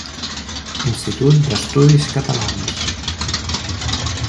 Institut d’Estudis Catalans.